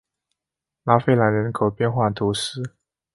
拉费兰人口变化图示